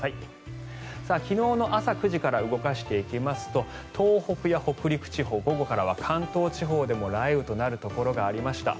昨日の朝９時から動かしていきますと東北や北陸地方午後からは関東地方でも雷雨となるところがありました。